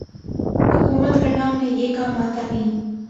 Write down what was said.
حکومت کرنا انہیں یہ کام آتا نہیں۔